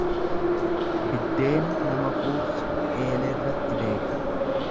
Biddeena nama quubsu eeleerratti beeku.